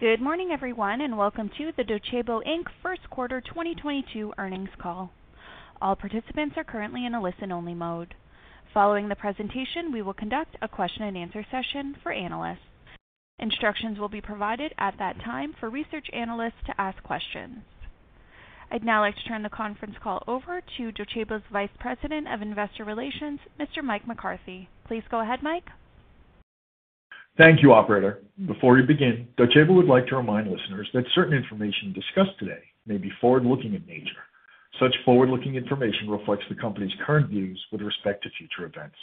Good morning everyone, and welcome to the Docebo Inc first quarter 2022 earnings call. All participants are currently in a listen-only mode. Following the presentation, we will conduct a question-and-answer session for analysts. Instructions will be provided at that time for research analysts to ask questions. I'd now like to turn the conference call over to Docebo's Vice President of Investor Relations, Mr. Mike McCarthy. Please go ahead, Mike. Thank you, operator. Before we begin, Docebo would like to remind listeners that certain information discussed today may be forward-looking in nature. Such forward-looking information reflects the company's current views with respect to future events.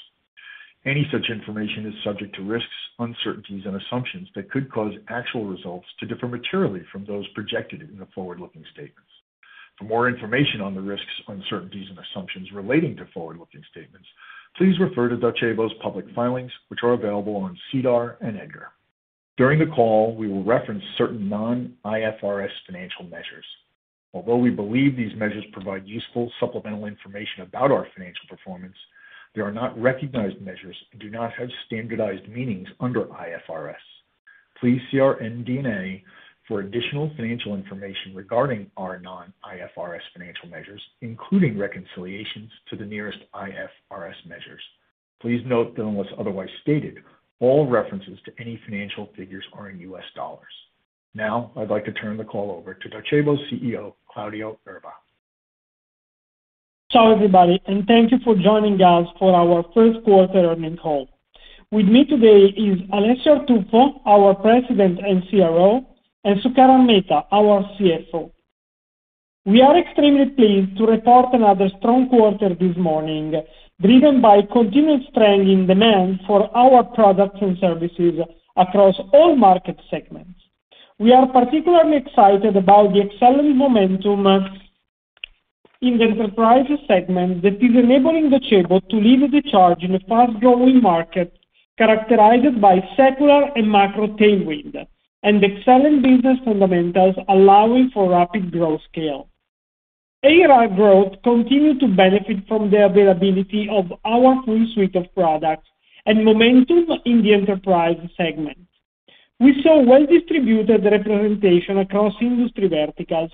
Any such information is subject to risks, uncertainties, and assumptions that could cause actual results to differ materially from those projected in the forward-looking statements. For more information on the risks, uncertainties, and assumptions relating to forward-looking statements, please refer to Docebo's public filings, which are available on SEDAR and EDGAR. During the call, we will reference certain non-IFRS financial measures. Although we believe these measures provide useful supplemental information about our financial performance, they are not recognized measures and do not have standardized meanings under IFRS. Please see our MD&A for additional financial information regarding our non-IFRS financial measures, including reconciliations to the nearest IFRS measures. Please note that unless otherwise stated, all references to any financial figures are in US dollars. Now, I'd like to turn the call over to Docebo's CEO, Claudio Erba. Ciao everybody, and thank you for joining us for our first quarter earnings call. With me today is Alessio Artuffo, our President and CRO, and Sukaran Mehta, our CFO. We are extremely pleased to report another strong quarter this morning, driven by continued strength in demand for our products and services across all market segments. We are particularly excited about the excellent momentum in the enterprise segment that is enabling Docebo to lead the charge in a fast-growing market characterized by secular and macro tailwind and excellent business fundamentals allowing for rapid growth scale. ARR growth continued to benefit from the availability of our full suite of products and momentum in the enterprise segment. We saw well-distributed representation across industry verticals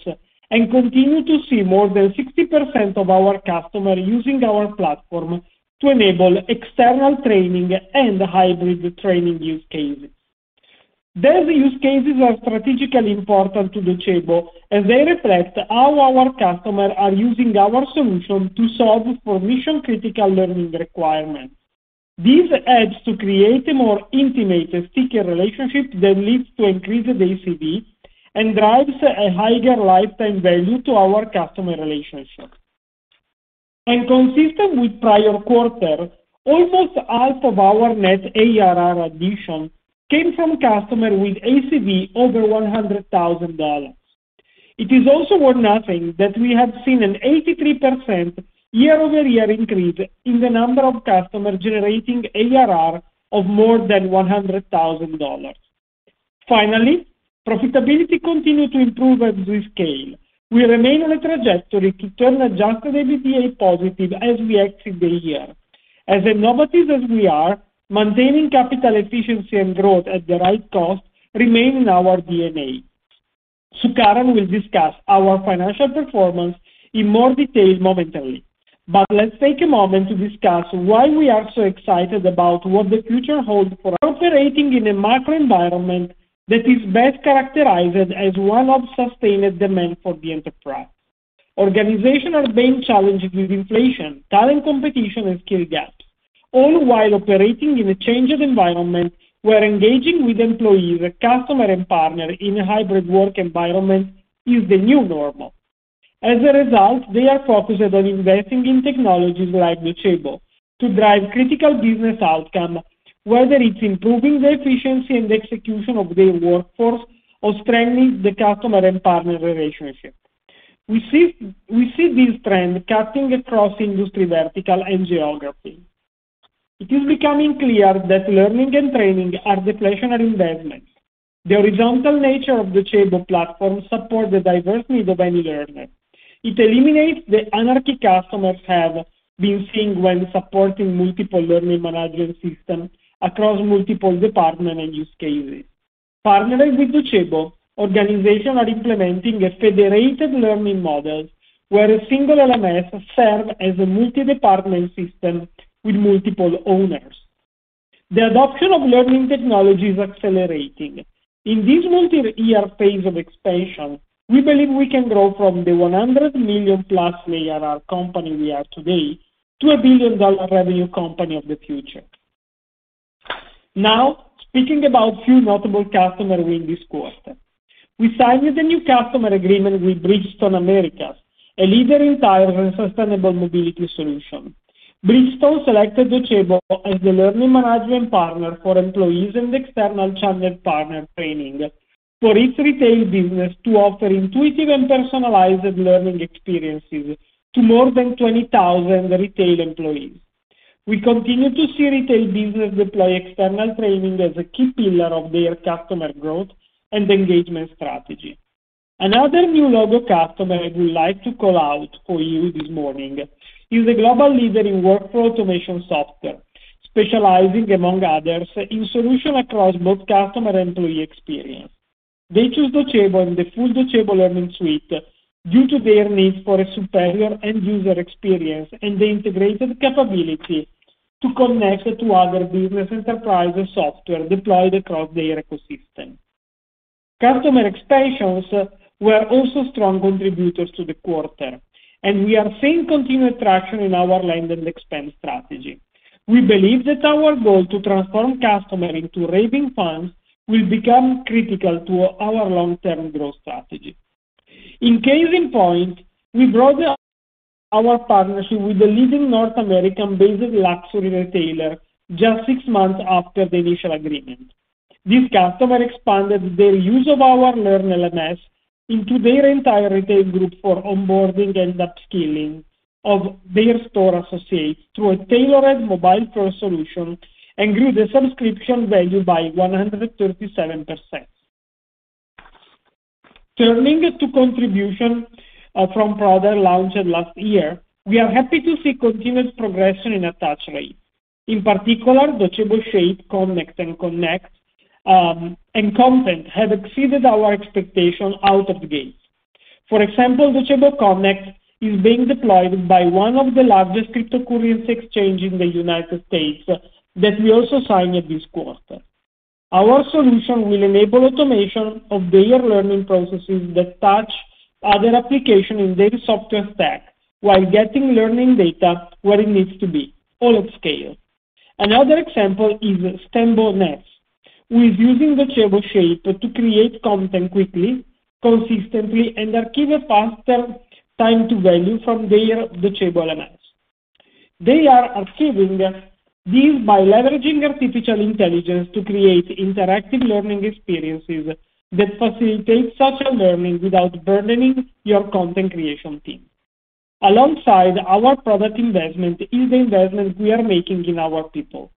and continue to see more than 60% of our customers using our platform to enable external training and hybrid training use cases. These use cases are strategically important to Docebo, and they reflect how our customers are using our solution to solve for mission-critical learning requirements. This adds to create a more intimate and stickier relationship that leads to increased ACV and drives a higher lifetime value to our customer relationship. Consistent with prior quarter, almost half of our net ARR addition came from customers with ACV over $100,000. It is also worth noting that we have seen an 83% year-over-year increase in the number of customers generating ARR of more than $100,000. Finally, profitability continued to improve as we scale. We remain on a trajectory to turn Adjusted EBITDA positive as we exit the year. As innovative as we are, maintaining capital efficiency and growth at the right cost remain in our DNA. Sukaran will discuss our financial performance in more detail momentarily. Let's take a moment to discuss why we are so excited about what the future holds for operating in a macro environment that is best characterized as one of sustained demand for the enterprise. Organizations are being challenged with inflation, talent competition, and skill gaps, all while operating in a changing environment where engaging with employees, customers, and partners in a hybrid work environment is the new normal. As a result, they are focused on investing in technologies like Docebo to drive critical business outcomes, whether it's improving the efficiency and execution of their workforce or strengthening the customer and partner relationship. We see this trend cutting across industry vertical and geography. It is becoming clear that learning and training are deflationary investments. The horizontal nature of Docebo platform supports the diverse needs of any learner. It eliminates the anarchy customers have been seeing when supporting multiple learning management systems across multiple departments and use cases. Partnering with Docebo, organizations are implementing a federated learning model where a single LMS serves as a multi-department system with multiple owners. The adoption of learning technology is accelerating. In this multi-year phase of expansion, we believe we can grow from the 100 million+ ARR company we are today to a $1 billion revenue company of the future. Now, speaking about few notable customer wins this quarter. We signed a new customer agreement with Bridgestone Americas, a leader in tires and sustainable mobility solution. Bridgestone selected Docebo as the learning management partner for employees and external channel partner training for its retail business to offer intuitive and personalized learning experiences to more than 20,000 retail employees. We continue to see retail business deploy external training as a key pillar of their customer growth and engagement strategy. Another new logo customer I would like to call out for you this morning is a global leader in workflow automation software, specializing among others in solutions across both customer and employee experience. They choose Docebo and the full Docebo Learning Suite due to their need for a superior end user experience and the integrated capability to connect to other business enterprise software deployed across their ecosystem. Customer expansions were also strong contributors to the quarter, and we are seeing continued traction in our land and expand strategy. We believe that our goal to transform customer into raving fans will become critical to our long-term growth strategy. A case in point, we brought our partnership with the leading North American-based luxury retailer just six months after the initial agreement. This customer expanded their use of our Learn LMS into their entire retail group for onboarding and upskilling of their store associates through a tailored mobile-first solution and grew the subscription value by 137%. Turning to contribution from product launched last year, we are happy to see continued progression in attach rate. In particular, Docebo Shape, Connect, and Content have exceeded our expectation out of the gate. For example, Docebo Connect is being deployed by one of the largest cryptocurrency exchange in the United States that we also signed this quarter. Our solution will enable automation of their learning processes that touch other application in their software stack while getting learning data where it needs to be all at scale. Another example is Smoothie King, who is using Docebo Shape to create content quickly, consistently, and achieve a faster time to value from their Docebo elements. They are achieving this by leveraging artificial intelligence to create interactive learning experiences that facilitate social learning without burdening your content creation team. Alongside our product investment is investment we are making in our people.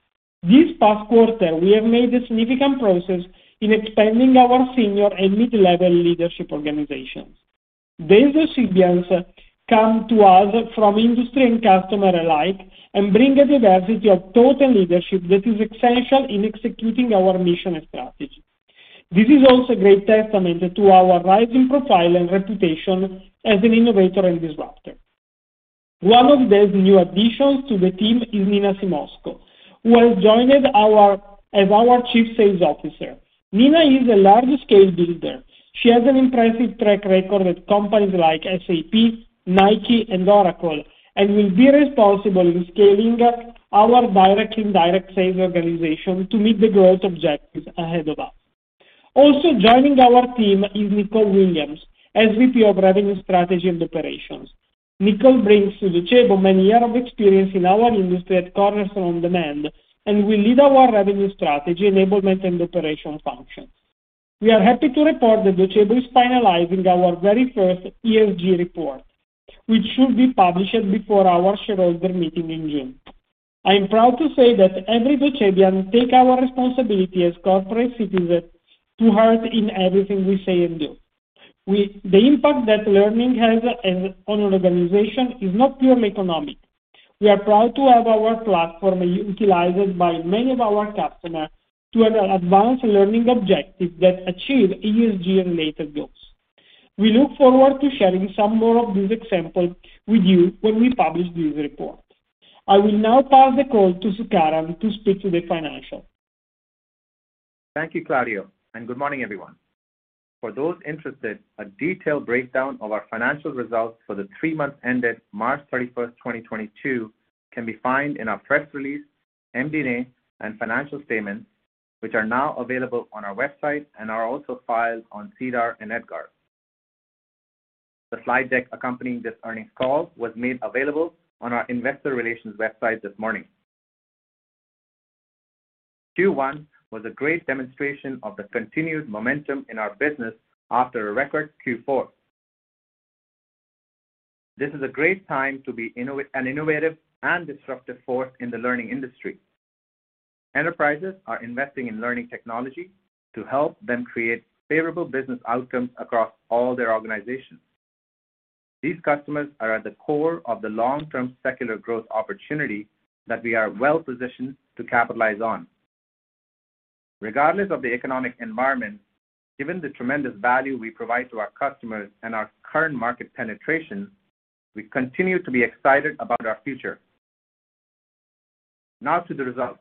This past quarter, we have made a significant progress in expanding our senior and mid-level leadership organizations. These recruits come to us from industry and customer alike and bring a diversity of thought leadership that is essential in executing our mission and strategy. This is also great testament to our rising profile and reputation as an innovator and disruptor. One of these new additions to the team is Nina Simosko, who has joined us as our Chief Sales Officer. Nina is a large-scale builder. She has an impressive track record with companies like SAP, Nike and Oracle, and will be responsible in scaling our direct and indirect sales organization to meet the growth objectives ahead of us. Also joining our team is Nicole Williams, SVP of Revenue Strategy and Operations. Nicole brings to Docebo many years of experience in our industry at Cornerstone OnDemand and will lead our revenue strategy, enablement and operations functions. We are happy to report that Docebo is finalizing our very first ESG report, which should be published before our shareholder meeting in June. I am proud to say that every Docebian takes our responsibility as corporate citizens to heart in everything we say and do. The impact that learning has on an organization is not purely economic. We are proud to have our platform utilized by many of our customers to advance learning objectives that achieve ESG-related goals. We look forward to sharing some more of these examples with you when we publish this report. I will now pass the call to Sukaran to speak to the financials. Thank you, Claudio, and good morning, everyone. For those interested, a detailed breakdown of our financial results for the three months ended March 31, 2022, can be found in our press release, MD&A and financial statements, which are now available on our website and are also filed on SEDAR and EDGAR. The slide deck accompanying this earnings call was made available on our investor relations website this morning. Q1 was a great demonstration of the continued momentum in our business after a record Q4. This is a great time to be an innovative and disruptive force in the learning industry. Enterprises are investing in learning technology to help them create favorable business outcomes across all their organizations. These customers are at the core of the long-term secular growth opportunity that we are well-positioned to capitalize on. Regardless of the economic environment, given the tremendous value we provide to our customers and our current market penetration, we continue to be excited about our future. Now to the results.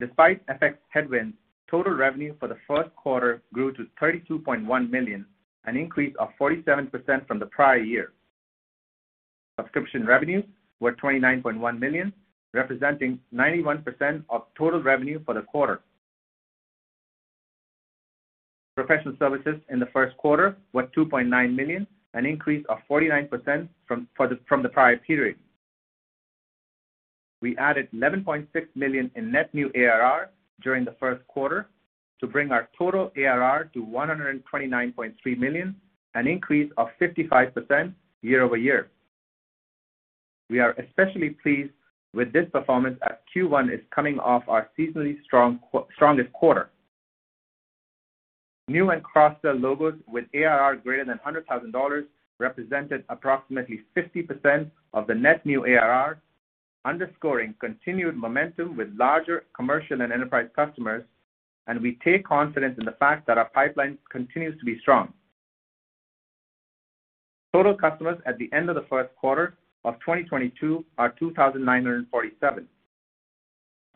Despite FX headwinds, total revenue for the first quarter grew to $32.1 million, an increase of 47% from the prior year. Subscription revenues were $29.1 million, representing 91% of total revenue for the quarter. Professional services in the first quarter were $2.9 million, an increase of 49% from the prior period. We added $11.6 million in net new ARR during the first quarter to bring our total ARR to $129.3 million, an increase of 55% year over year. We are especially pleased with this performance as Q1 is coming off our seasonally strongest quarter. New and cross-sell logos with ARR greater than $100,000 represented approximately 50% of the net new ARR, underscoring continued momentum with larger commercial and enterprise customers, and we take confidence in the fact that our pipeline continues to be strong. Total customers at the end of the first quarter of 2022 are 2,947.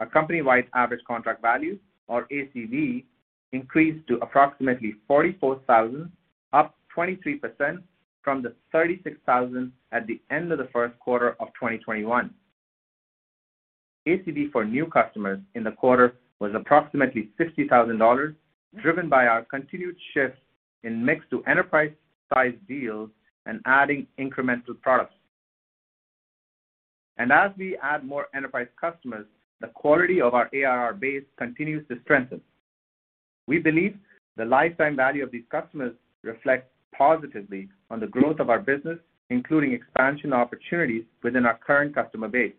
Our company-wide average contract value, or ACV, increased to approximately $44,000, up 23% from the $36,000 at the end of the first quarter of 2021. ACV for new customers in the quarter was approximately $60,000, driven by our continued shift in mix to enterprise-sized deals and adding incremental products. As we add more enterprise customers, the quality of our ARR base continues to strengthen. We believe the lifetime value of these customers reflects positively on the growth of our business, including expansion opportunities within our current customer base.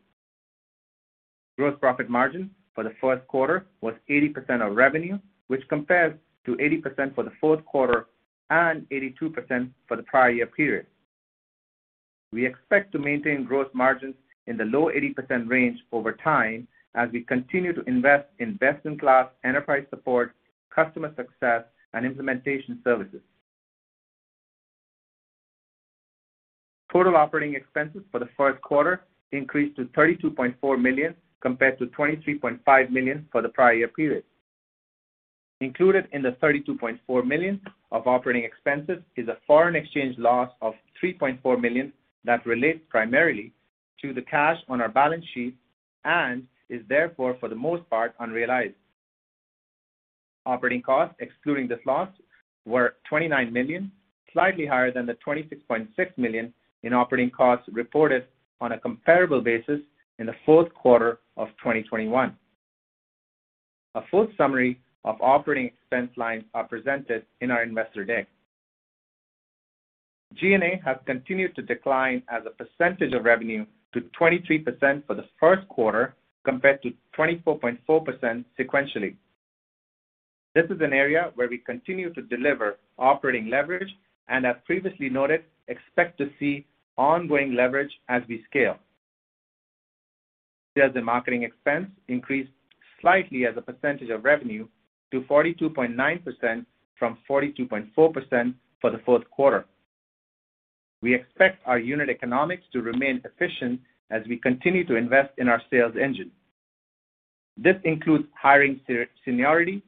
Gross profit margin for the first quarter was 80% of revenue, which compares to 80% for the fourth quarter and 82% for the prior year period. We expect to maintain gross margins in the low 80% range over time as we continue to invest in best-in-class enterprise support, customer success, and implementation services. Total operating expenses for the first quarter increased to $32.4 million compared to $23.5 million for the prior year period. Included in the $32.4 million of operating expenses is a foreign exchange loss of $3.4 million that relates primarily to the cash on our balance sheet and is therefore, for the most part, unrealized. Operating costs, excluding this loss, were $29 million, slightly higher than the $26.6 million in operating costs reported on a comparable basis in the fourth quarter of 2021. A full summary of operating expense lines are presented in our investor deck. G&A has continued to decline as a percentage of revenue to 23% for the first quarter compared to 24.4% sequentially. This is an area where we continue to deliver operating leverage and, as previously noted, expect to see ongoing leverage as we scale. Sales and marketing expense increased slightly as a percentage of revenue to 42.9% from 42.4% for the fourth quarter. We expect our unit economics to remain efficient as we continue to invest in our sales engine. This includes hiring seniority,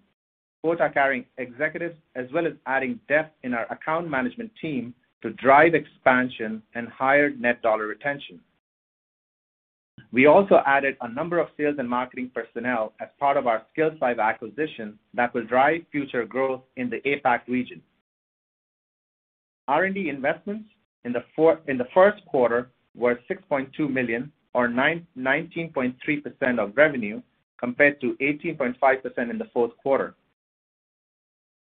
quota-carrying executives, as well as adding depth in our account management team to drive expansion and higher net dollar retention. We also added a number of sales and marketing personnel as part of our Skillslive acquisition that will drive future growth in the APAC region. R&D investments in the first quarter were $6.2 million or 19.3% of revenue compared to 18.5% in the fourth quarter.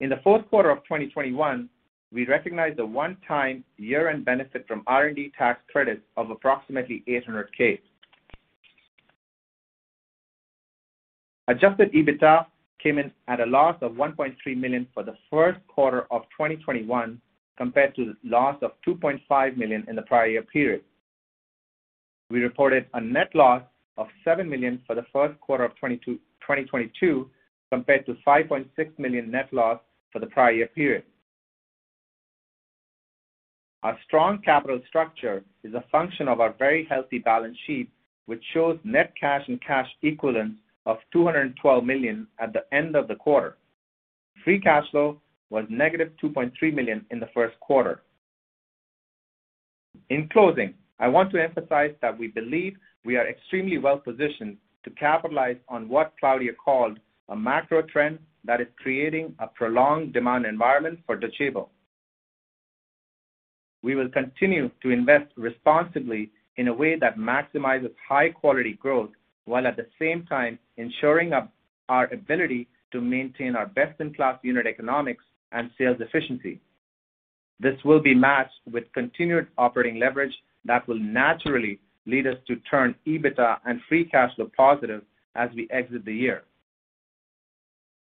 In the fourth quarter of 2021, we recognized a one-time year-end benefit from R&D tax credits of approximately $800K. Adjusted EBITDA came in at a loss of $1.3 million for the first quarter of 2021 compared to the loss of $2.5 million in the prior year period. We reported a net loss of $7 million for the first quarter of 2022 compared to $5.6 million net loss for the prior year period. Our strong capital structure is a function of our very healthy balance sheet, which shows net cash and cash equivalents of $212 million at the end of the quarter. Free cash flow was negative $2.3 million in the first quarter. In closing, I want to emphasize that we believe we are extremely well positioned to capitalize on what Claudio called a macro trend that is creating a prolonged demand environment for Docebo. We will continue to invest responsibly in a way that maximizes high quality growth while at the same time ensuring our ability to maintain our best-in-class unit economics and sales efficiency. This will be matched with continued operating leverage that will naturally lead us to turn EBITDA and free cash flow positive as we exit the year.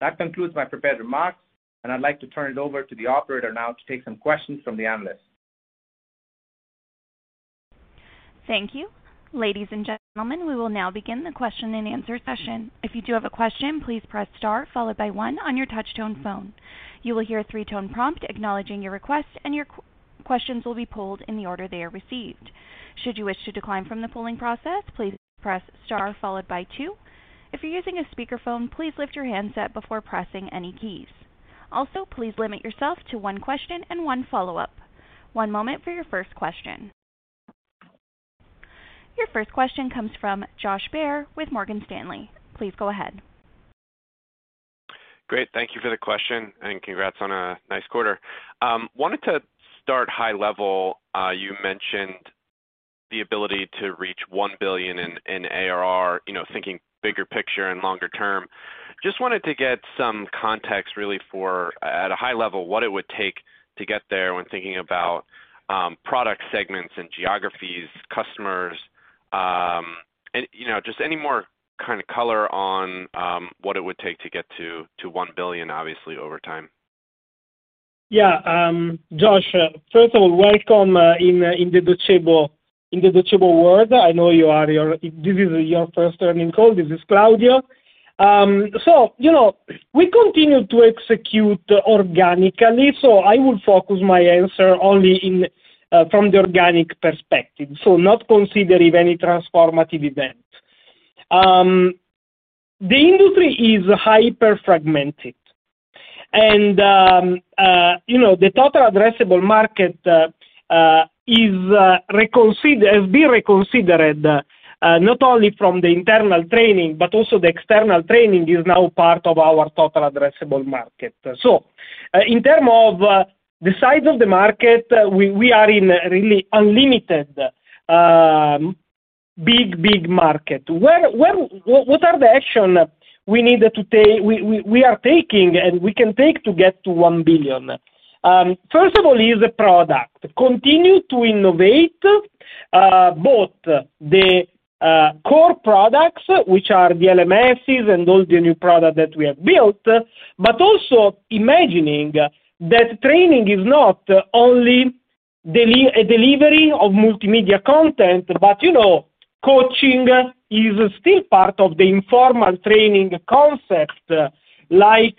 That concludes my prepared remarks, and I'd like to turn it over to the operator now to take some questions from the analysts. Thank you. Ladies and gentlemen, we will now begin the question-and-answer session. If you do have a question, please press star followed by one on your touch-tone phone. You will hear a three-tone prompt acknowledging your request, and your questions will be pulled in the order they are received. Should you wish to decline from the polling process, please press star followed by two. If you're using a speakerphone, please lift your handset before pressing any keys. Also, please limit yourself to one question and one follow-up. One moment for your first question. Your first question comes from Josh Baer with Morgan Stanley. Please go ahead. Great. Thank you for the question and congrats on a nice quarter. Wanted to start high level. You mentioned the ability to reach $1 billion in ARR, you know, thinking bigger picture and longer term. Just wanted to get some context really for at a high level, what it would take to get there when thinking about product segments and geographies, customers, and, you know, just any more kind of color on what it would take to get to $1 billion obviously over time. Yeah. Josh, first of all, welcome to the Docebo world. I know this is your first earnings call. This is Claudio. You know, we continue to execute organically. I will focus my answer only from the organic perspective, not considering any transformative event. The industry is hyper-fragmented, and you know, the total addressable market has been reconsidered, not only for the internal training but also the external training is now part of our total addressable market. In terms of the size of the market, we are in a really unlimited big market. What are the actions we need to take, we are taking, and we can take to get to $1 billion? First of all is the product. Continue to innovate both the core products, which are the LMSs and all the new product that we have built, but also imagining that training is not only a delivery of multimedia content, but you know, coaching is still part of the informal training concept, like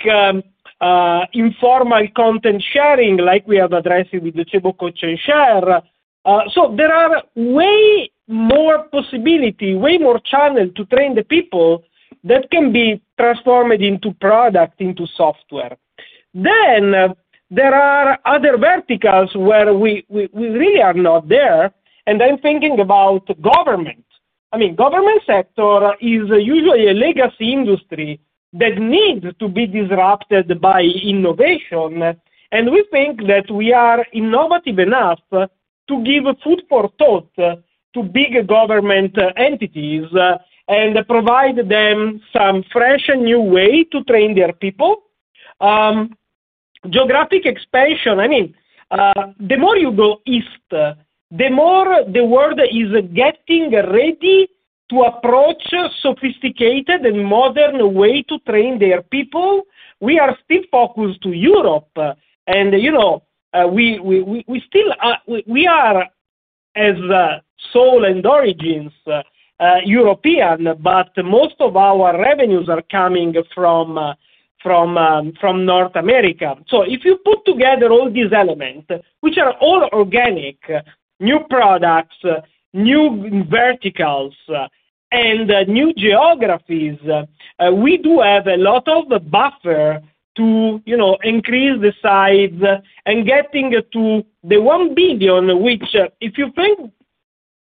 informal content sharing, like we have addressed with Docebo Coach and Share. So there are way more possibility, way more channel to train the people that can be transformed into product, into software. There are other verticals where we really are not there, and I'm thinking about government. I mean, government sector is usually a legacy industry that needs to be disrupted by innovation, and we think that we are innovative enough to give food for thought to bigger government entities, and provide them some fresh and new way to train their people. Geographic expansion, I mean, the more you go east, the more the world is getting ready to approach sophisticated and modern way to train their people. We are still focused to Europe, and, you know, we are as soul and origins European, but most of our revenues are coming from North America. If you put together all these elements, which are all organic, new products, new verticals, and new geographies, we do have a lot of buffer to, you know, increase the size and getting to the $1 billion, which, if you think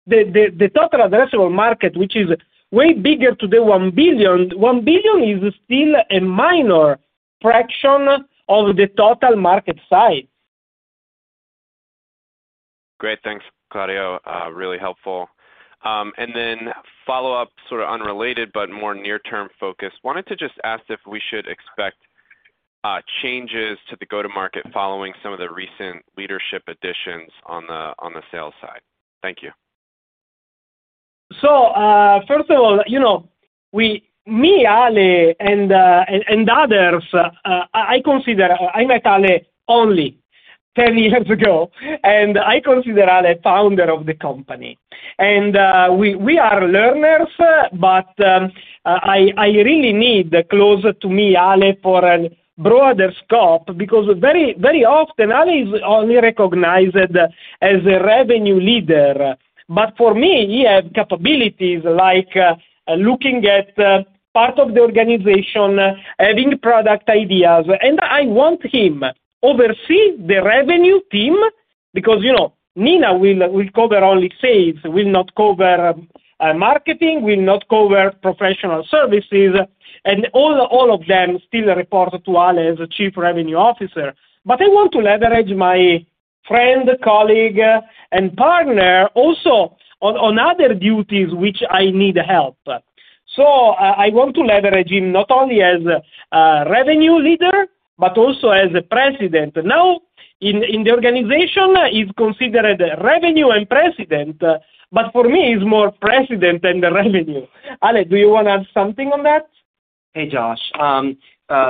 the total addressable market, which is way bigger than the $1 billion, $1 billion is still a minor fraction of the total market size. Great. Thanks, Claudio. Really helpful. Follow-up, sort of unrelated but more near-term focused, wanted to just ask if we should expect changes to the go-to-market following some of the recent leadership additions on the sales side. Thank you. First of all, you know, me, Ale, and others. I met Ale only ten years ago, and I consider Ale founder of the company. We are learners, but I really need closer to me Ale for a broader scope because very often Ale is only recognized as a revenue leader. For me, he has capabilities like looking at part of the organization, having product ideas, and I want him oversee the revenue team because, you know, Nina will cover only sales, will not cover marketing, will not cover professional services, and all of them still report to Ale as a Chief Revenue Officer. I want to leverage my friend, colleague, and partner also on other duties which I need help. I want to leverage him not only as a revenue leader but also as a president. Now, in the organization, he's considered revenue and president, but for me is more president than the revenue. Ale, do you wanna add something on that? Hey, Josh.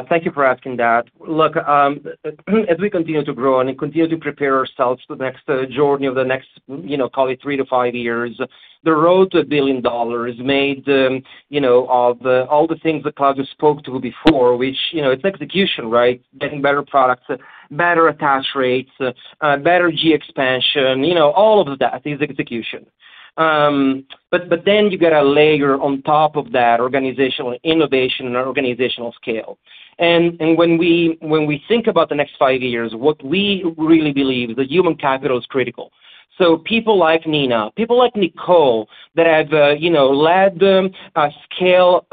Thank you for asking that. Look, as we continue to grow and continue to prepare ourselves for the next journey of the next, you know, call it three-five years, the road to $1 billion ARR, you know, of all the things that Claudio spoke to before, which, you know, it's execution, right? Getting better products, better attach rates, better geo expansion, you know, all of that is execution. But then you gotta layer on top of that organizational innovation and organizational scale. When we think about the next five years, what we really believe is that human capital is critical. People like Nina, people like Nicole that have, you know, led a large-scale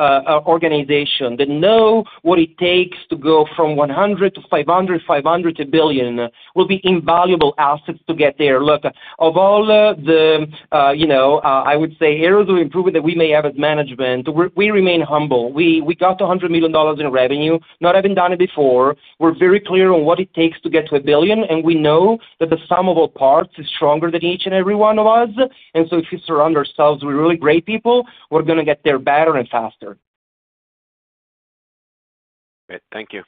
organization, that know what it takes to go from $100 million-$500 million, $500 million-$1 billion, will be invaluable assets to get there. Look, of all the, you know, I would say areas of improvement that we may have as management, we remain humble. We got to $100 million in revenue, not having done it before. We're very clear on what it takes to get to $1 billion, and we know that the sum of all parts is stronger than each and every one of us. If we surround ourselves with really great people, we're gonna get there better and faster. Great. Thank you.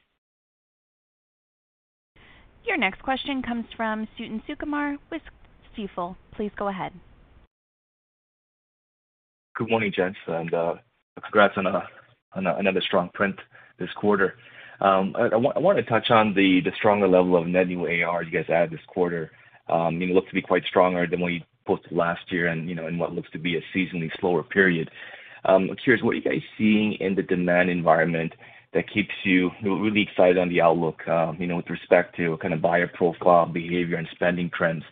Your next question comes from Suthan Sukumar with Stifel. Please go ahead. Good morning, gents, and congrats on another strong print this quarter. I wanna touch on the stronger level of net new ARR you guys had this quarter. It looked to be quite stronger than what you posted last year and, you know, in what looks to be a seasonally slower period. I'm curious what you guys are seeing in the demand environment that keeps you know, really excited on the outlook, you know, with respect to kind of buyer profile behavior and spending trends.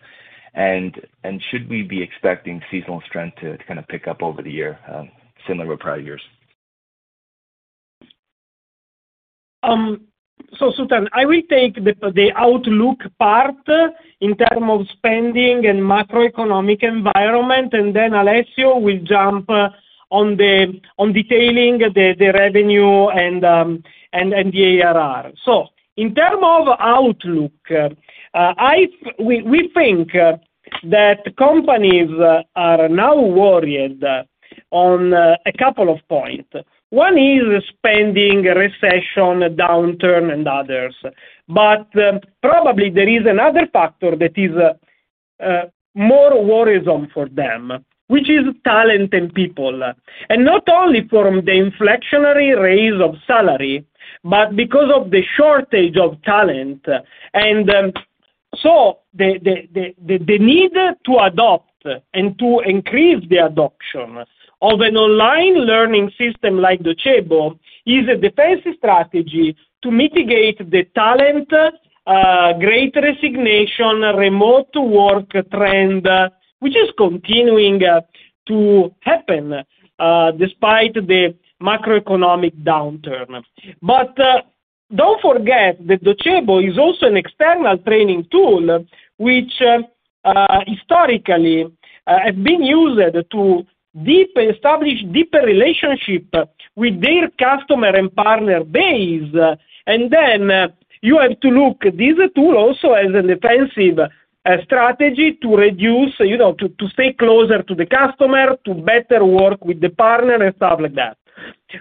Should we be expecting seasonal strength to kind of pick up over the year, similar to prior years? Suthan, I will take the outlook part in terms of spending and macroeconomic environment, and then Alessio will jump on detailing the revenue and the ARR. In terms of outlook, we think that companies are now worried about a couple of points. One is spending, recession, downturn and others. Probably there is another factor that is more worrisome for them, which is talent and people. The need to adopt and to increase the adoption of an online learning system like Docebo is a defensive strategy to mitigate the talent Great Resignation, remote work trend, which is continuing to happen despite the macroeconomic downturn. Don't forget that Docebo is also an external training tool, which historically has been used to establish deeper relationship with their customer and partner base. Then you have to look this tool also as a defensive strategy to reduce, you know, to stay closer to the customer, to better work with the partner and stuff like that.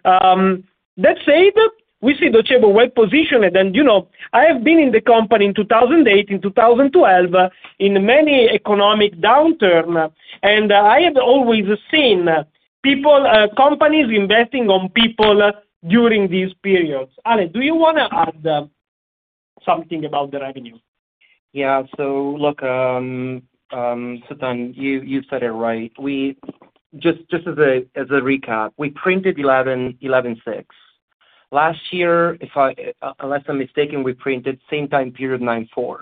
That said, we see Docebo well-positioned. You know, I have been in the company in 2008, in 2012, in many economic downturn, and I have always seen people companies investing in people during these periods. Ale, do you wanna add something about the revenue? Look, Suthan, you said it right. Just as a recap, we printed $11.6 million. Last year, unless I'm mistaken, we printed same time period $9.4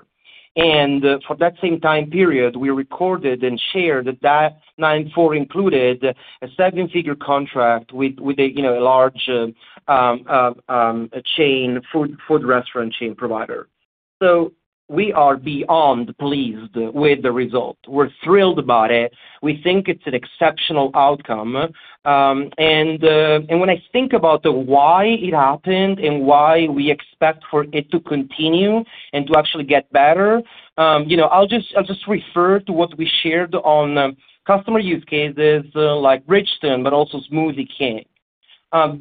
million. For that same time period, we recorded and shared that $9.4 million included a seven-figure contract with a large chain food restaurant chain provider. We are beyond pleased with the result. We're thrilled about it. We think it's an exceptional outcome. When I think about why it happened and why we expect for it to continue and to actually get better, you know, I'll just refer to what we shared on customer use cases like Bridgestone but also Smoothie King.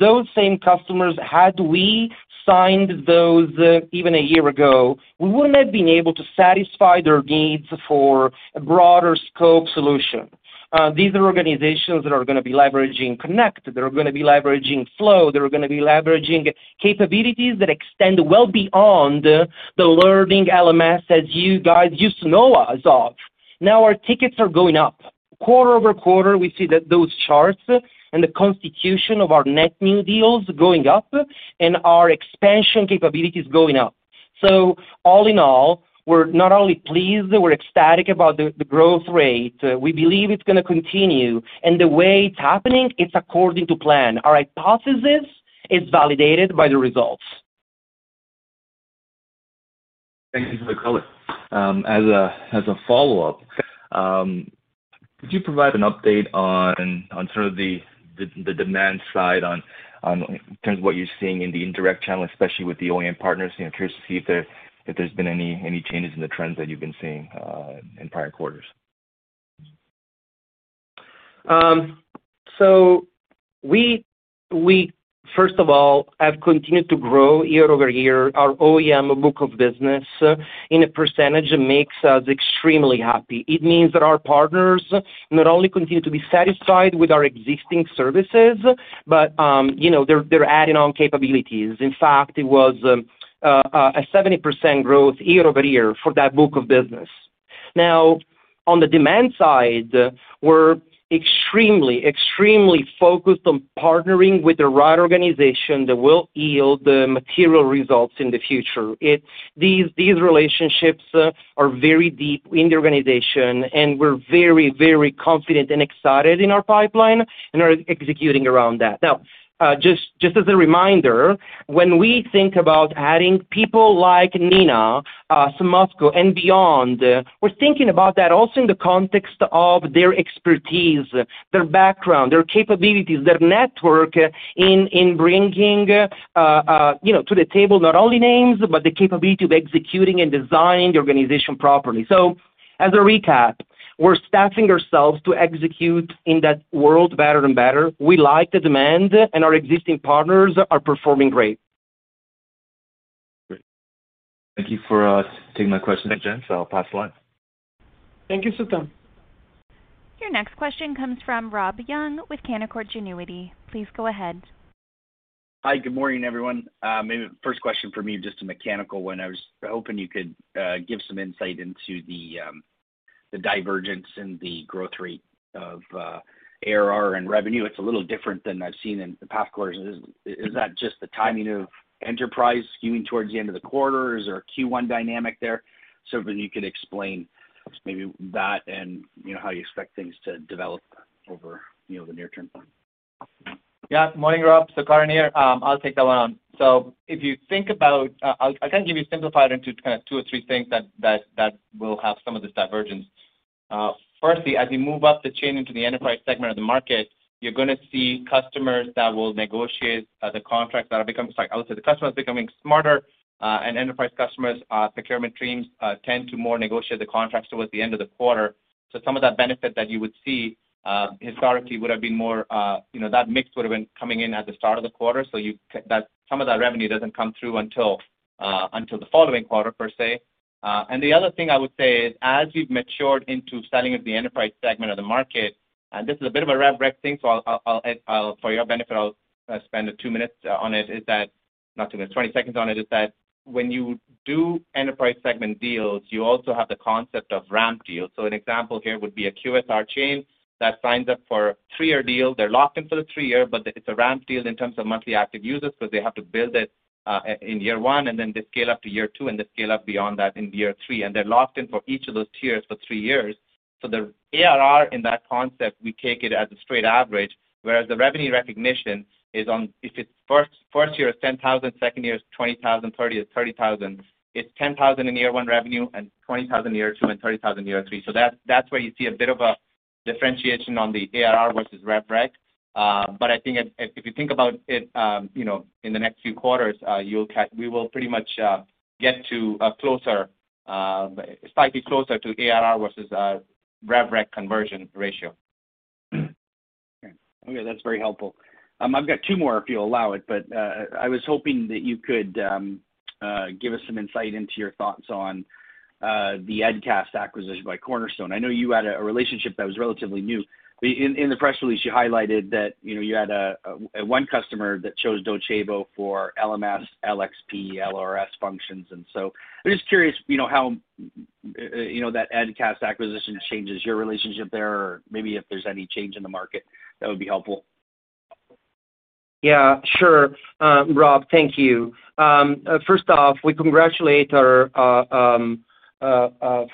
Those same customers, had we signed those even a year ago, we wouldn't have been able to satisfy their needs for a broader scope solution. These are organizations that are gonna be leveraging Connect, they're gonna be leveraging Flow, they're gonna be leveraging capabilities that extend well beyond the learning LMS as you guys used to know us of. Now, our tickets are going up. Quarter-over-quarter, we see that those charts and the composition of our net new deals going up and our expansion capabilities going up. All in all, we're not only pleased, we're ecstatic about the growth rate. We believe it's gonna continue, and the way it's happening, it's according to plan. Our hypothesis is validated by the results. Thank you for the color. As a follow-up, could you provide an update on sort of the demand side in terms of what you're seeing in the indirect channel, especially with the OEM partners. You know, I'm curious to see if there's been any changes in the trends that you've been seeing in prior quarters. We first of all have continued to grow year-over-year. Our OEM book of business in a percentage makes us extremely happy. It means that our partners not only continue to be satisfied with our existing services, but you know, they're adding on capabilities. In fact, it was a 70% growth year-over-year for that book of business. Now, on the demand side, we're extremely focused on partnering with the right organization that will yield the material results in the future. These relationships are very deep in the organization, and we're very confident and excited in our pipeline and are executing around that. Now, just as a reminder, when we think about adding people like Nina Simosko and beyond, we're thinking about that also in the context of their expertise, their background, their capabilities, their network in bringing, you know, to the table not only names, but the capability of executing and designing the organization properly. We're staffing ourselves to execute in that world better and better. We like the demand, and our existing partners are performing great. Great. Thank you for taking my question, gentlemen. I'll pass the line. Thank you, Suthan. Your next question comes from Robert Young with Canaccord Genuity. Please go ahead. Hi, good morning, everyone. Maybe first question for me, just a mechanical one. I was hoping you could give some insight into the divergence in the growth rate of ARR and revenue. It's a little different than I've seen in the past quarters. Is that just the timing of enterprise skewing towards the end of the quarter? Is there a Q1 dynamic there? You could explain maybe that and, you know, how you expect things to develop over, you know, the near-term plan. Yeah. Morning, Rob. Sukaran here. I'll take that one on. I'll kind of give you simplified into kind of two or three things that will have some of this divergence. Firstly, as we move up the chain into the enterprise segment of the market, you're gonna see customers that will negotiate the contracts that are becoming. Sorry. I would say the customer is becoming smarter, and enterprise customers, procurement teams tend to more negotiate the contracts towards the end of the quarter. Some of that benefit that you would see historically would have been more, you know, that mix would have been coming in at the start of the quarter. That some of that revenue doesn't come through until the following quarter, per se. The other thing I would say is, as we've matured into selling at the enterprise segment of the market, and this is a bit of a rev rec thing, so I'll, for your benefit, spend two minutes on it. Not two minutes, 20 seconds on it, is that when you do enterprise segment deals, you also have the concept of ramp deals. An example here would be a QSR chain that signs up for a three-year deal. They're locked in for the three-year, but it's a ramp deal in terms of monthly active users, so they have to build it in year one, and then they scale up to year two, and they scale up beyond that in year three. They're locked in for each of those tiers for three years. The ARR in that concept, we take it as a straight average, whereas the revenue recognition is on if it's first year is $10,000, second year is $20,000, third year is $30,000, it's $10,000 in year one revenue and $20,000 year two and $30,000 year three. That's where you see a bit of a differentiation on the ARR versus rev rec. But I think if you think about it, you know, in the next few quarters, we will pretty much get to a closer, slightly closer to ARR versus rev rec conversion ratio. Okay. That's very helpful. I've got two more, if you'll allow it, but I was hoping that you could give us some insight into your thoughts on the EdCast acquisition by Cornerstone. I know you had a relationship that was relatively new, but in the press release, you highlighted that, you know, you had one customer that chose Docebo for LMS, LXP, LRS functions. I'm just curious, you know, how that EdCast acquisition changes your relationship there, or maybe if there's any change in the market that would be helpful. Yeah, sure. Rob, thank you. First off, we congratulate our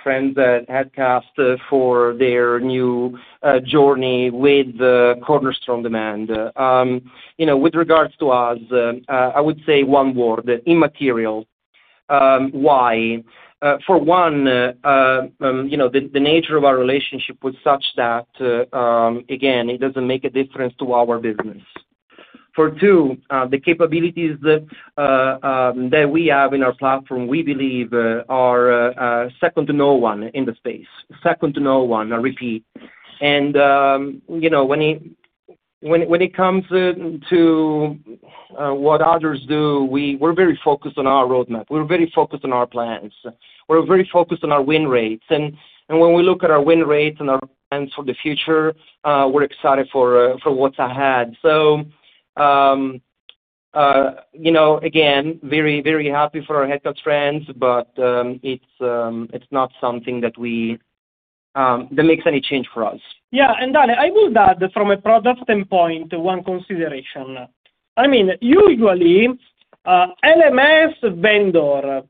friends at EdCast for their new journey with Cornerstone OnDemand. You know, with regards to us, I would say one word, immaterial. Why? For one, you know, the nature of our relationship was such that, again, it doesn't make a difference to our business. For two, the capabilities that we have in our platform, we believe are second to no one in the space. Second to no one, I repeat. You know, when it comes to what others do, we're very focused on our roadmap. We're very focused on our plans. We're very focused on our win rates. When we look at our win rates and our plans for the future, we're excited for what's ahead. You know, again, very happy for our EdCast friends, but it's not something that makes any change for us. Yeah. Ale, I will add from a product standpoint, one consideration. I mean, usually, LMS vendors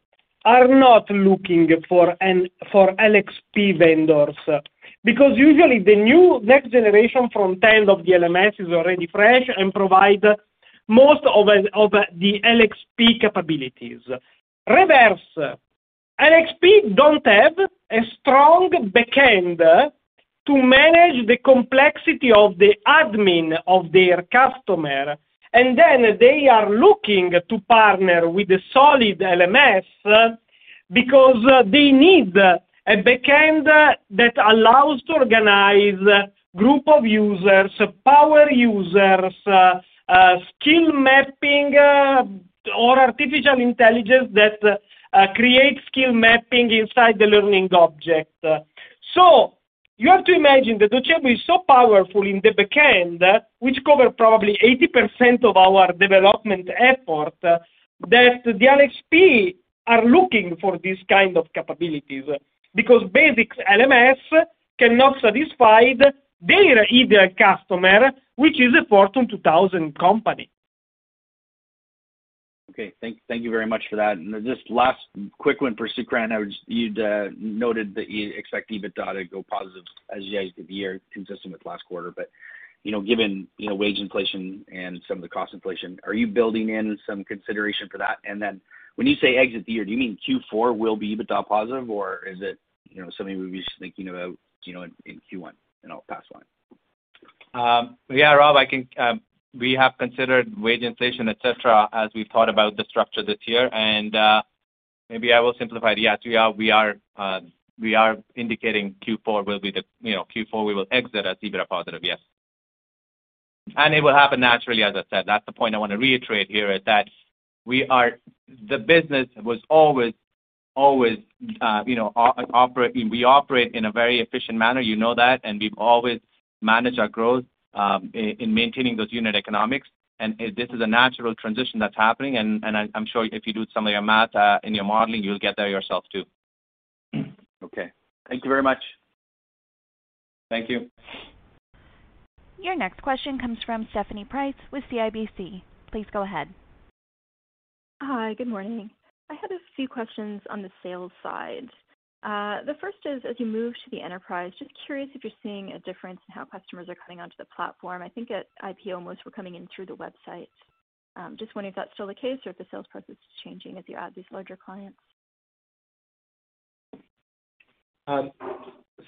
are not looking for LXP vendors because usually the new next generation frontend of the LMS is already fresh and provides most of the LXP capabilities. Reverse, LXPs don't have a strong backend to manage the complexity of the admin of their customer. They are looking to partner with the solid LMS because they need a backend that allows to organize group of users, power users, skill mapping or artificial intelligence that creates skill mapping inside the learning object. You have to imagine that Docebo is so powerful in the backend, which cover probably 80% of our development effort, that the LXP are looking for these kind of capabilities because basic LMS cannot satisfy their ideal customer, which is a Fortune 2000 company. Okay. Thank you very much for that. Just last quick one for Sukaran. You'd noted that you expect EBITDA to go positive as you exit the year consistent with last quarter. You know, given, you know, wage inflation and some of the cost inflation, are you building in some consideration for that? When you say exit the year, do you mean Q4 will be EBITDA positive or is it, you know, something we should be thinking about, you know, in Q1? I'll pass the line. Yeah, Rob, I can, we have considered wage inflation, et cetera, as we thought about the structure this year. Maybe I will simplify the answer. Yeah, we are indicating Q4 will be the, you know, Q4, we will exit as EBITDA positive. Yes. It will happen naturally, as I said. That's the point I wanna reiterate here is that the business was always, you know, we operate in a very efficient manner. You know that. We've always managed our growth, in maintaining those unit economics. This is a natural transition that's happening. I'm sure if you do some of your math, in your modeling, you'll get there yourself, too. Okay. Thank you very much. Thank you. Your next question comes from Stephanie Price with CIBC. Please go ahead. Hi. Good morning. I had a few questions on the sales side. The first is, as you move to the enterprise, just curious if you're seeing a difference in how customers are coming onto the platform. I think at IPO, most were coming in through the website. Just wondering if that's still the case or if the sales process is changing as you add these larger clients.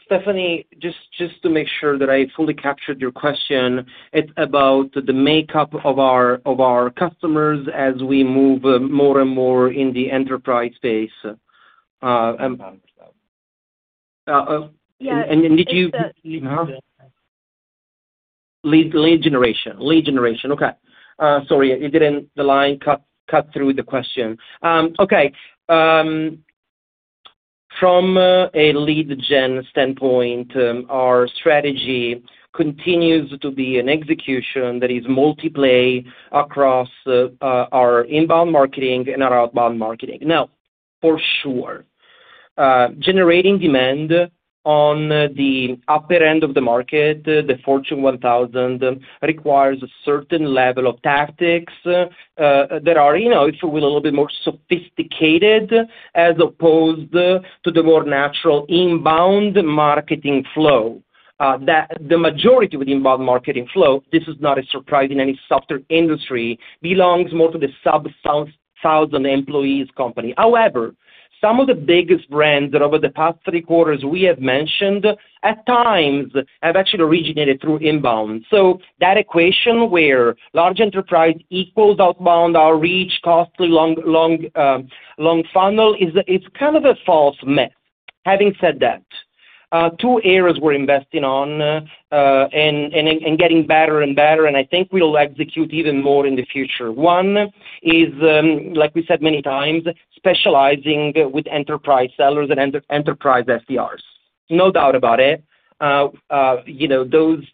Stephanie, just to make sure that I fully captured your question. It's about the makeup of our customers as we move more and more in the enterprise space. Inbound or something. Uh, oh- Yeah. Did you? It's the- Lead generation. Okay. Sorry. The line cut through the question. Okay. From a lead gen standpoint, our strategy continues to be an execution that is multi-play across our inbound marketing and our outbound marketing. Now, for sure, generating demand on the upper end of the market, the Fortune 1000, requires a certain level of tactics that are, you know, a little bit more sophisticated as opposed to the more natural inbound marketing flow. The majority with inbound marketing flow, this is not a surprise in any software industry, belongs more to the sub-1000 employees company. However, some of the biggest brands that over the past three quarters we have mentioned, at times have actually originated through inbound. That equation where large enterprise equals outbound outreach, costly long funnel is a false myth. Having said that, two areas we're investing on, and getting better and better, and I think we'll execute even more in the future. One is, like we said many times, specializing with enterprise sellers and enterprise SDRs. No doubt about it. You know, those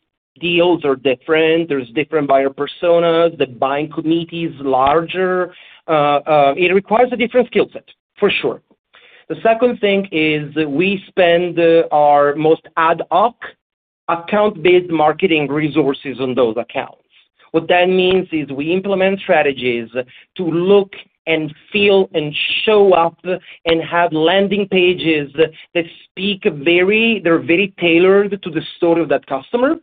deals are different. There's different buyer personas. The buying committee is larger. It requires a different skill set, for sure. The second thing is we spend our most ad hoc account-based marketing resources on those accounts. What that means is we implement strategies to look and feel and show up and have landing pages that speak very. They're very tailored to the story of that customer.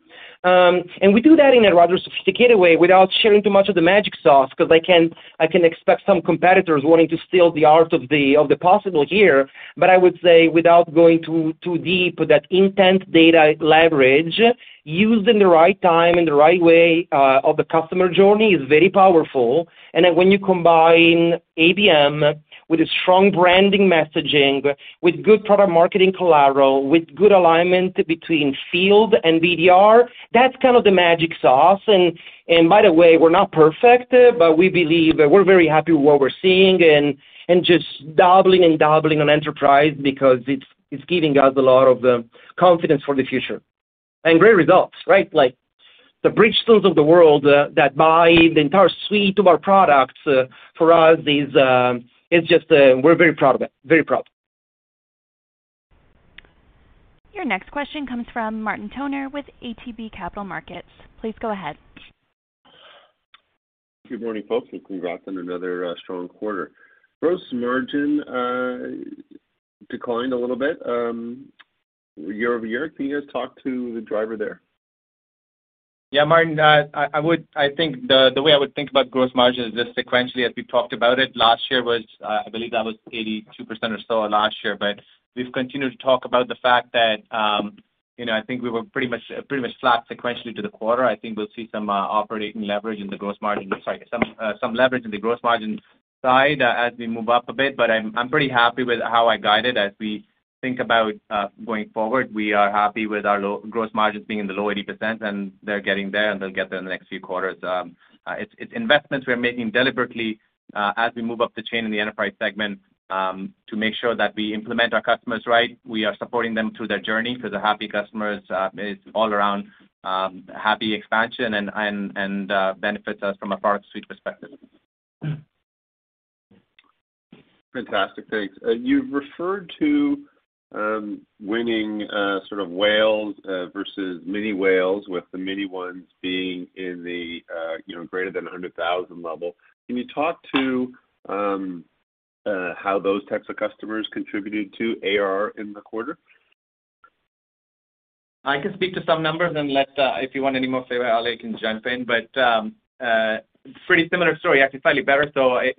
We do that in a rather sophisticated way without sharing too much of the magic sauce, 'cause I can expect some competitors wanting to steal the art of the possible here. I would say without going too deep, that intent data leverage used in the right time, in the right way, of the customer journey is very powerful. When you combine ABM with a strong branding messaging, with good product marketing collateral, with good alignment between field and BDR, that's kind of the magic sauce. By the way, we're not perfect, but we believe we're very happy with what we're seeing and just doubling on enterprise because it's giving us a lot of confidence for the future. Great results, right? Like, the Bridgestone of the world that buy the entire suite of our products for us is, it's just. We're very proud of it. Very proud. Your next question comes from Martin Toner with ATB Capital Markets. Please go ahead. Good morning, folks, and congrats on another strong quarter. Gross margin declined a little bit year-over-year. Can you guys talk to the driver there? Yeah, Martin, I think the way I would think about gross margin is just sequentially as we talked about it. Last year was, I believe that was 82% or so last year. We've continued to talk about the fact that, you know, I think we were pretty much flat sequentially to the quarter. I think we'll see some operating leverage in the gross margin. Sorry, some leverage in the gross margin side, as we move up a bit, but I'm pretty happy with how I guide it. As we think about going forward, we are happy with our gross margins being in the low 80%, and they're getting there, and they'll get there in the next few quarters. It's investments we're making deliberately as we move up the chain in the enterprise segment to make sure that we implement our customers right. We are supporting them through their journey because a happy customer is all around happy expansion and benefits us from a product suite perspective. Fantastic. Thanks. You referred to winning sort of whales versus mini whales, with the mini ones being in the you know greater than 100,000 level. Can you talk to how those types of customers contributed to AR in the quarter? I can speak to some numbers and, if you want any more flavor, Ale can jump in. Pretty similar story, actually slightly better.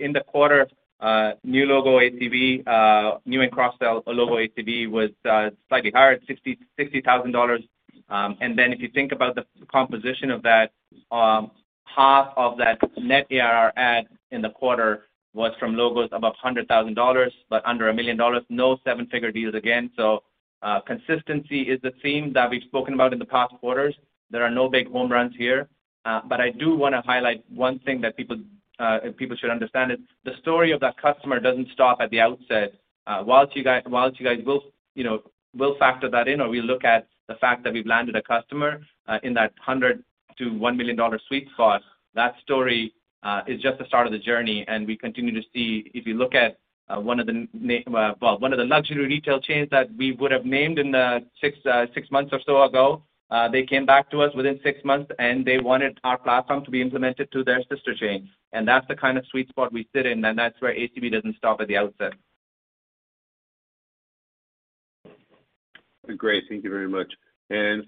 In the quarter, new logo ACV and cross-sell logo ACV was slightly higher at $60,000. If you think about the composition of that, half of that net ARR add in the quarter was from logos above $100,000 but under $1 million. No seven-figure deals again. Consistency is the theme that we've spoken about in the past quarters. There are no big home runs here. I do wanna highlight one thing that people should understand is the story of that customer doesn't stop at the outset. While you guys will, you know, factor that in or will look at the fact that we've landed a customer in that $100 million-$1 million sweet spot, that story is just the start of the journey, and we continue to see. If you look at one of the luxury retail chains that we would have named in the six months or so ago, they came back to us within six months, and they wanted our platform to be implemented to their sister chain. That's the kind of sweet spot we sit in, and that's where ACV doesn't stop at the outset. Great. Thank you very much.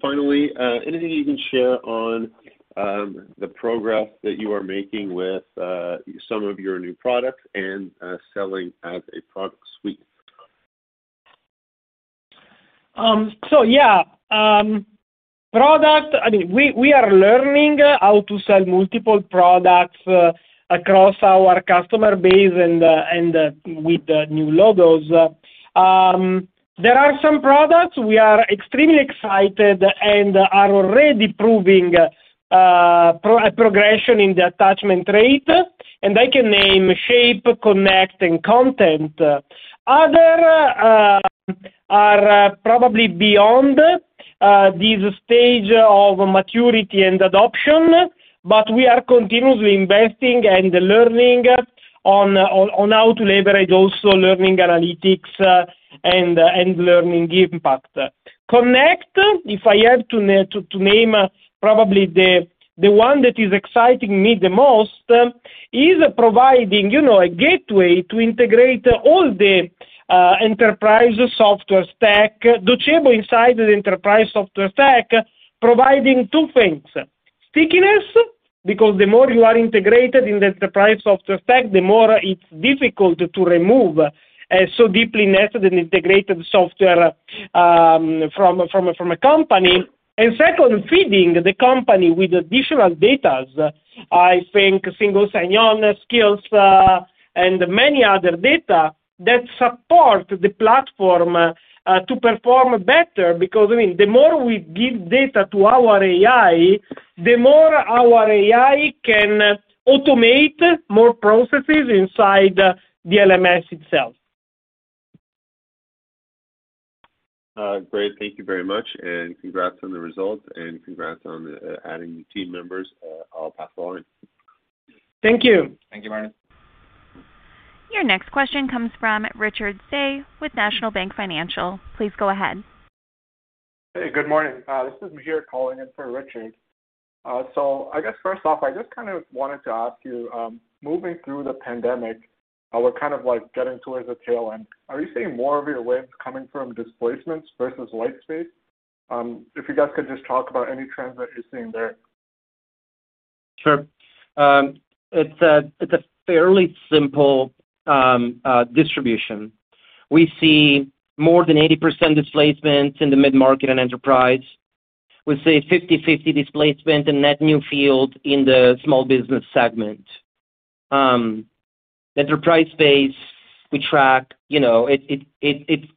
Finally, anything you can share on the progress that you are making with some of your new products and selling as a product suite? Yeah. Product, I mean, we are learning how to sell multiple products across our customer base and with new logos. There are some products we are extremely excited and are already proving progression in the attachment rate, and I can name Shape, Connect, and Content. Other are probably beyond this stage of maturity and adoption, but we are continuously investing and learning on how to leverage also learning analytics and learning impact. Connect, if I have to name probably the one that is exciting me the most, is providing, you know, a gateway to integrate all the enterprise software stack, Docebo inside the enterprise software stack, providing two things, stickiness, because the more you are integrated in the enterprise software stack, the more it's difficult to remove so deeply nested and integrated software from a company. And second, feeding the company with additional data. I think single sign-on skills and many other data that support the platform to perform better. Because, I mean, the more we give data to our AI, the more our AI can automate more processes inside the LMS itself. Great. Thank you very much, and congrats on the results, and congrats on adding new team members. I'll pass the line. Thank you. Thank you, Martin. Your next question comes from Richard Tse with National Bank Financial. Please go ahead. Hey, good morning. This is Mahir calling in for Richard. I guess first off, I just kind of wanted to ask you, moving through the pandemic, we're kind of like getting towards the tail end. Are you seeing more of your wins coming from displacements versus white space? If you guys could just talk about any trends that you're seeing there. Sure. It's a fairly simple distribution. We see more than 80% displacement in the mid-market and enterprise. We see 50/50 displacement in net new field in the small business segment. Enterprise space we track, you know, it's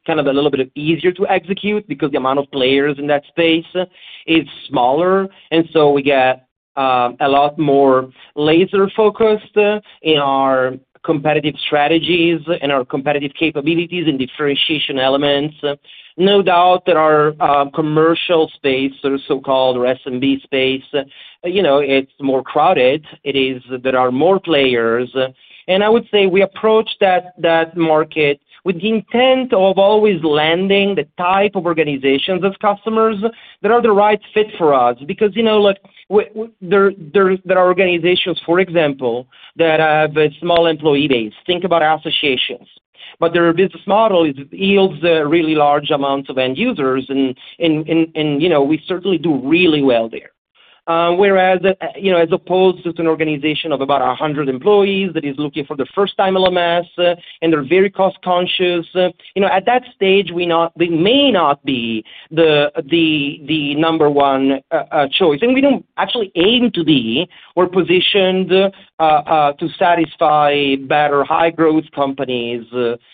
kind of a little bit easier to execute because the amount of players in that space is smaller. We get a lot more laser-focused in our competitive strategies and our competitive capabilities and differentiation elements. No doubt that our commercial space or so-called SMB space, you know, it's more crowded. It is. There are more players. I would say we approach that market with the intent of always landing the type of organizations as customers that are the right fit for us. You know, look, there are organizations, for example, that have a small employee base. Think about associations. Their business model yields really large amounts of end users and, you know, we certainly do really well there. Whereas, you know, as opposed to an organization of about 100 employees that is looking for the first time LMS, and they're very cost conscious. You know, at that stage, we may not be the number one choice, and we don't actually aim to be. We're positioned to satisfy better high growth companies,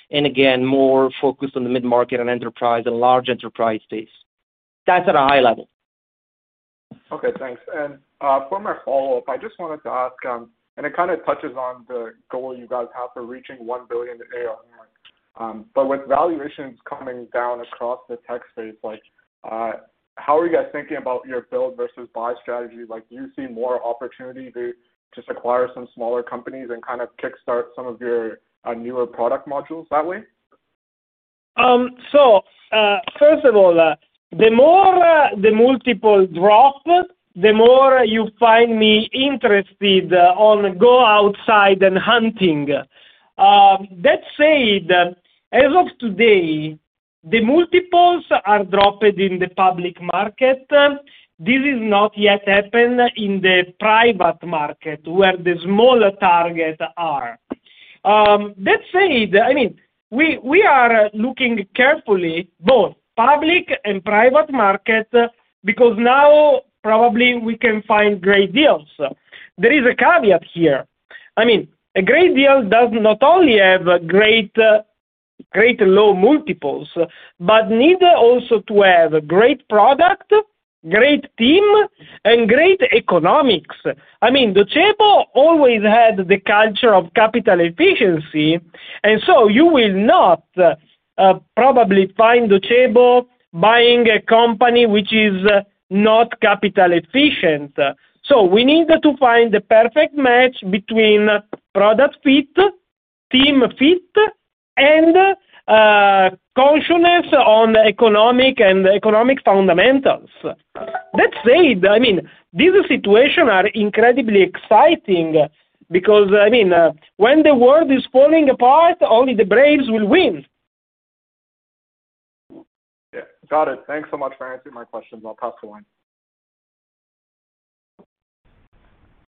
and again, more focused on the mid-market and enterprise and large enterprise space. That's at a high level. Okay, thanks. For my follow-up, I just wanted to ask, and it kind of touches on the goal you guys have for reaching $1 billion ARR. With valuations coming down across the tech space, like, how are you guys thinking about your build versus buy strategy? Like, do you see more opportunity to just acquire some smaller companies and kind of kickstart some of your newer product modules that way? First of all, the more the multiples drop, the more you find me interested in going outside and hunting. That said, as of today, the multiples are dropped in the public market. This is not yet happened in the private market where the smaller targets are. That said, I mean, we are looking carefully both public and private market because now probably we can find great deals. There is a caveat here. I mean, a great deal does not only have great low multiples, but need also to have great product, great team, and great economics. I mean, Docebo always had the culture of capital efficiency, and so you will probably not find Docebo buying a company which is not capital efficient. We need to find the perfect match between product fit, team fit, and consciousness on economics and economic fundamentals. That said, I mean, this situation are incredibly exciting because, I mean, when the world is falling apart, only the braves will win. Yeah. Got it. Thanks so much for answering my questions. I'll pass the line.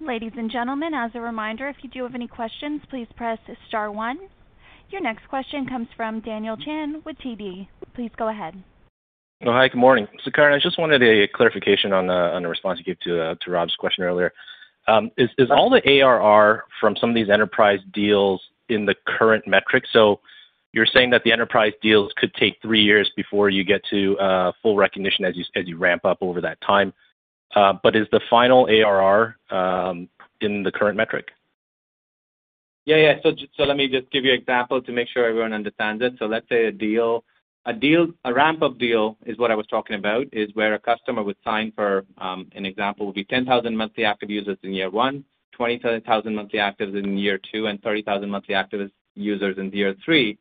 Ladies and gentlemen, as a reminder, if you do have any questions, please press star one. Your next question comes from Daniel Chan with TD. Please go ahead. Hi. Good morning. Sukaran, I just wanted a clarification on the response you gave to Rob's question earlier. Is all the ARR from some of these enterprise deals in the current metric? You're saying that the enterprise deals could take three years before you get to full recognition as you ramp up over that time. Is the final ARR in the current metric? Yeah. Yeah. Just let me just give you example to make sure everyone understands it. Let's say a deal, a ramp-up deal is what I was talking about, is where a customer would sign for, an example would be 10,000 monthly active users in year one, 20,000 monthly active users in year two, and 30,000 monthly active users in year three.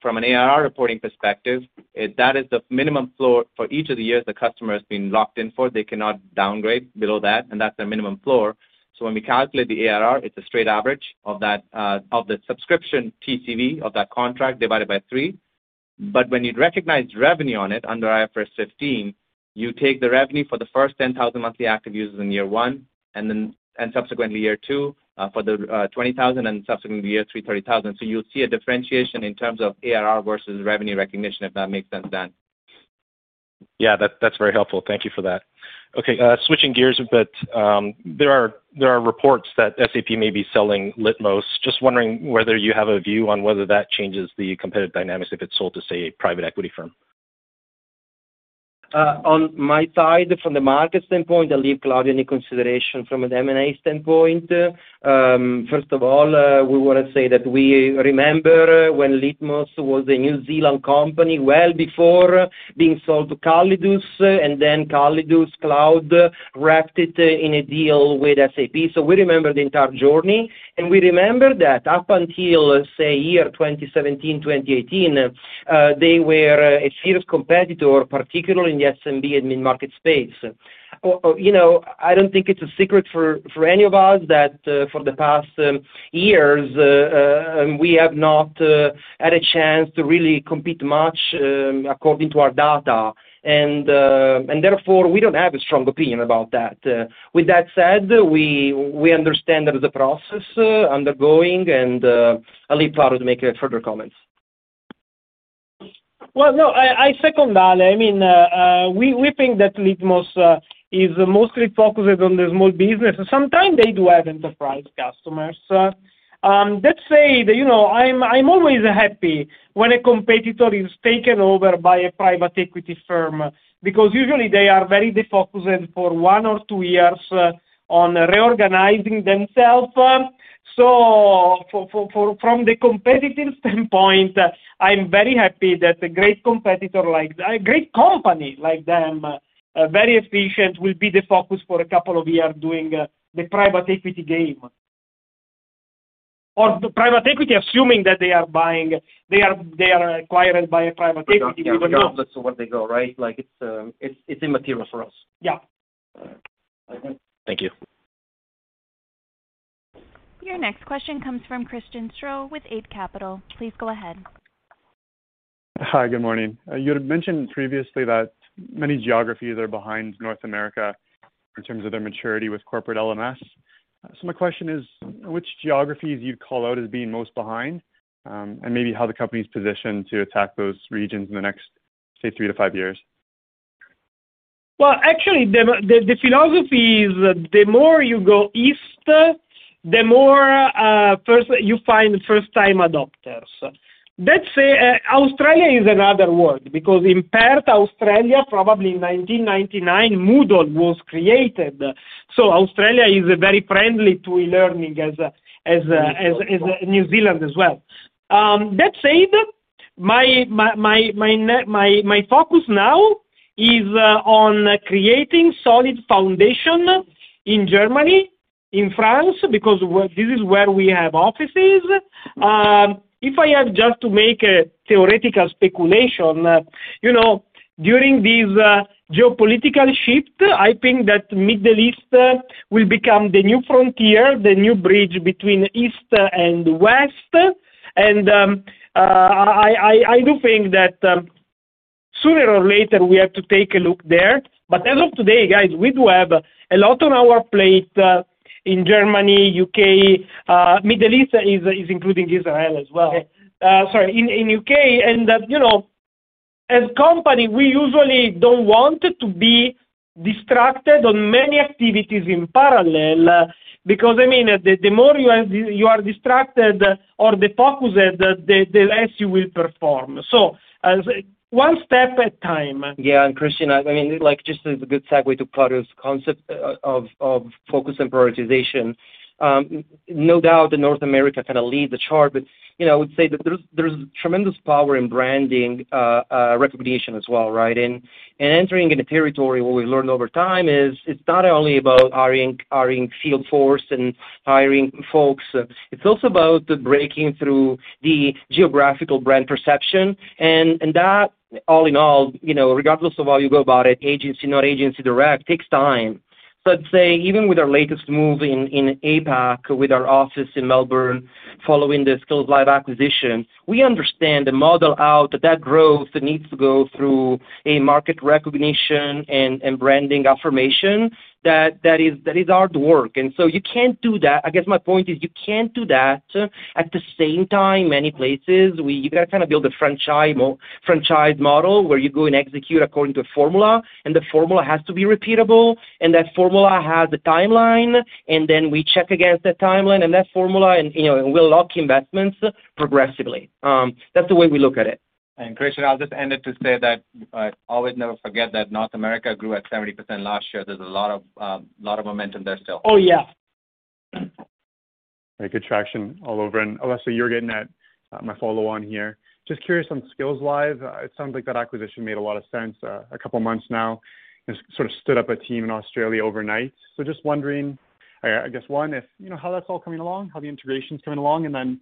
From an ARR reporting perspective, that is the minimum floor for each of the years the customer has been locked in for. They cannot downgrade below that, and that's their minimum floor. When we calculate the ARR, it's a straight average of that, of the subscription TCV of that contract divided by three. when you'd recognize revenue on it under IFRS 15, you take the revenue for the first 10,000 monthly active users in year one and subsequently year two for the 20,000 and subsequently year three, 30,000. You'll see a differentiation in terms of ARR versus revenue recognition, if that makes sense, Dan. Yeah. That, that's very helpful. Thank you for that. Okay, switching gears a bit, there are reports that SAP may be selling Litmos. Just wondering whether you have a view on whether that changes the competitive dynamics if it's sold to, say, a private equity firm. On my side, from the market standpoint, I'll leave Claudio any consideration from an M&A standpoint. First of all, we want to say that we remember when Litmos was a New Zealand company well before being sold to CallidusCloud, and then CallidusCloud wrapped it in a deal with SAP. We remember the entire journey, and we remember that up until, say, year 2017, 2018, they were a serious competitor, particularly in the SMB and mid-market space. Or, you know, I don't think it's a secret for any of us that, for the past years, we have not had a chance to really compete much, according to our data. Therefore, we don't have a strong opinion about that. With that said, we understand the process undergoing, and I'll leave Claudio to make further comments. Well, no, I second Ale. I mean, we think that Litmos is mostly focused on the small business. Sometimes they do have enterprise customers. Let's say that, you know, I'm always happy when a competitor is taken over by a private equity firm because usually they are very defocused for one or two years on reorganizing themselves. From the competitive standpoint, I'm very happy that a great competitor like a great company like them, very efficient, will be the focus for a couple of years doing the private equity game. Or the private equity, assuming that they are being acquired by a private equity, we will know. Regardless of where they go, right? Like, it's immaterial for us. Yeah. Thank you. Your next question comes from Christian Sgro with Eight Capital. Please go ahead. Hi. Good morning. You had mentioned previously that many geographies are behind North America in terms of their maturity with corporate LMS. My question is, which geographies do you call out as being most behind, and maybe how the company's positioned to attack those regions in the next, say, three to five years? Well, actually, the philosophy is the more you go east, the more first you find first-time adopters. Let's say, Australia is another world because in Perth, Australia, probably in 1999, Moodle was created. So Australia is very friendly to e-learning as New Zealand as well. That said, my focus now is on creating solid foundation in Germany, in France, because this is where we have offices. If I have just to make a theoretical speculation, you know, during this geopolitical shift, I think that Middle East will become the new frontier, the new bridge between East and West. I do think that sooner or later we have to take a look there. As of today, guys, we do have a lot on our plate in Germany, U.K., Middle East is including Israel as well. Sorry, in U.K. And that, you know, as company, we usually don't want to be distracted on many activities in parallel, because I mean, the less you will perform. As one step at time. Yeah. Christian, I mean, like, just as a good segue to Claudio's concept of focus and prioritization, no doubt that North America kinda lead the chart, but, you know, I would say that there's tremendous power in branding recognition as well, right? Entering in a territory, what we've learned over time is it's not only about hiring field force and hiring folks, it's also about the breaking through the geographical brand perception. That all in all, you know, regardless of how you go about it, agency, not agency direct, takes time. I'd say even with our latest move in APAC, with our office in Melbourne, following the Skillslive acquisition, we understand and model out that growth needs to go through a market recognition and branding affirmation that is hard work. You can't do that. I guess my point is you can't do that at the same time many places. You gotta kinda build a franchise model where you go and execute according to a formula, and the formula has to be repeatable, and that formula has a timeline, and then we check against that timeline and that formula and, you know, and we'll lock investments progressively. That's the way we look at it. Christian, I'll just end it to say that, always never forget that North America grew at 70% last year. There's a lot of momentum there still. Oh, yeah. Right. Good traction all over. Alessio, you're getting that, my follow-on here. Just curious on Skillslive, it sounds like that acquisition made a lot of sense, a couple months now, and sort of stood up a team in Australia overnight. Just wondering, I guess one, if you know, how that's all coming along, how the integration's coming along, and then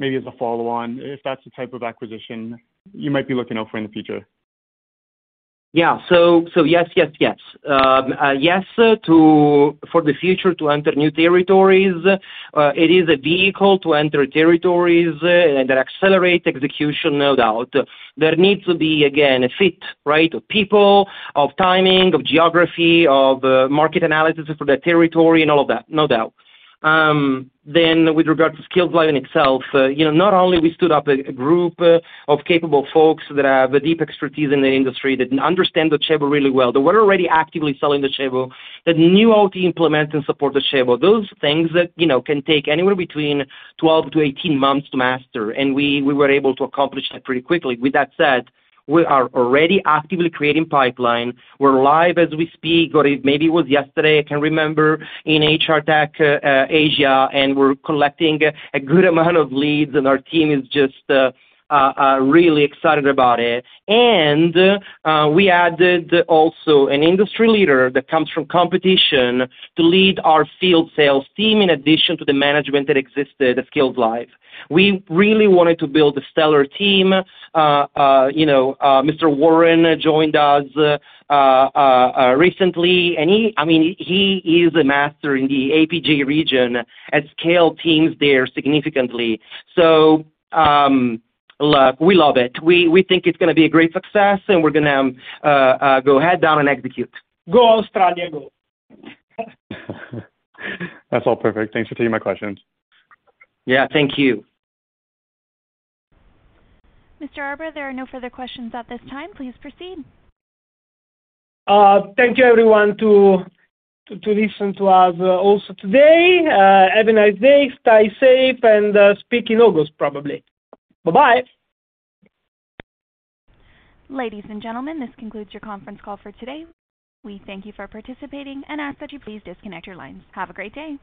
maybe as a follow-on, if that's the type of acquisition you might be looking out for in the future. Yes, for the future to enter new territories, it is a vehicle to enter territories that accelerate execution, no doubt. There needs to be, again, a fit, right? Of people, of timing, of geography, of market analysis for that territory and all of that, no doubt. With regards to Skillslive in itself, not only we stood up a group of capable folks that have a deep expertise in the industry that understand Docebo really well, that were already actively selling Docebo, that knew how to implement and support Docebo. Those things that can take anywhere between 12-18 months to master, and we were able to accomplish that pretty quickly. With that said, we are already actively creating pipeline. We're live as we speak, or it maybe it was yesterday, I can't remember, in HR Tech Asia, and we're collecting a good amount of leads and our team is just really excited about it. We added also an industry leader that comes from competition to lead our field sales team in addition to the management that existed at Skillslive. We really wanted to build a stellar team. You know, Mr. Warren joined us recently, and I mean, he is a master in the APAC region, has scaled teams there significantly. Look, we love it. We think it's gonna be a great success, and we're gonna go head down and execute. Go Australia, go. That's all perfect. Thanks for taking my questions. Yeah, thank you. Mr. Erba, there are no further questions at this time. Please proceed. Thank you everyone to listen to us also today. Have a nice day, stay safe, and speak in August probably. Bye-bye. Ladies and gentlemen, this concludes your conference call for today. We thank you for participating and ask that you please disconnect your lines. Have a great day.